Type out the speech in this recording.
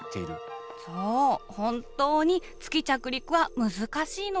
本当に月着陸は難しいの。